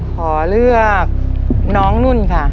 ขอเลือกน้องนุ่นค่ะ